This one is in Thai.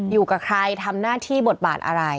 อยู่กับใครทำหน้าที่บทบาทอะไร